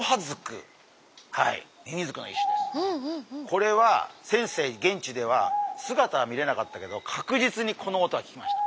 これは先生現地では姿は見れなかったけど確実にこの音は聞きました。